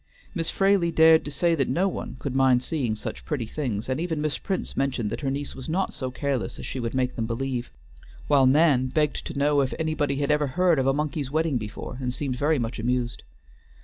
Miss Fraley dared to say that no one could mind seeing such pretty things, and even Miss Prince mentioned that her niece was not so careless as she would make them believe; while Nan begged to know if anybody had ever heard of a monkey's wedding before, and seemed very much amused.